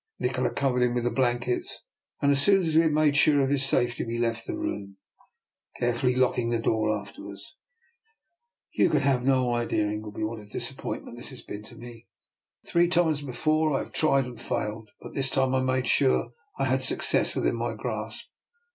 Nikola covered him with the blankets, and as soon as we had made sure of his safety we left the room, carefully locking the door after us. " You can have no idea, Ingleby, what a disappointment this has been to me. Three times before I have tried and failed, but this time I made sure I had success within my grasp.